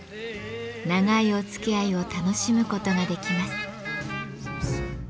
長いおつきあいを楽しむことができます。